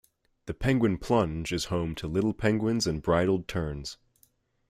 The Penguin Plunge is home to little penguins and bridled terns.